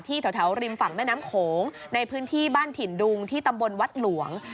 แถวริมฝั่งแม่น้ำโขงในพื้นที่บ้านถิ่นดุงที่ตำบลวัดหลวง